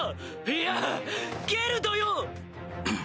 いやゲルドよ！